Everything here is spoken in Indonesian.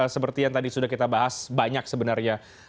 seperti yang tadi sudah kita bahas banyak sebenarnya